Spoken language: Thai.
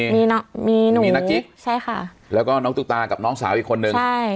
มีมีหนุ่มมีนักกิ๊กใช่ค่ะแล้วก็น้องตุ๊กตากับน้องสาวอีกคนนึงใช่